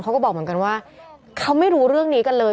เขาก็บอกเหมือนกันว่าเขาไม่รู้เรื่องนี้กันเลย